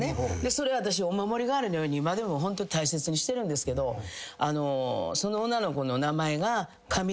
それ私お守り代わりのように今でもホント大切にしてるんですがその女の子の名前が。